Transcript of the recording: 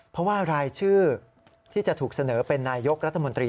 เพราะว่ารายชื่อที่จะถูกเสนอเป็นนายกรัฐมนตรี